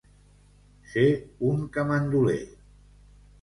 Ser un camanduler.